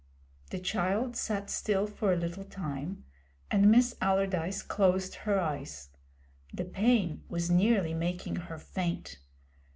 The child sat still for a little time and Miss Allardyce closed her eyes; the pain was nearly making her faint.